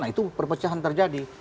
nah itu perpecahan terjadi